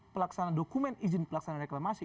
pelaksanaan dokumen izin pelaksanaan reklamasi